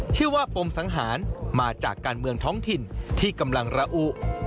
ปมสังหารมาจากการเมืองท้องถิ่นที่กำลังระอุ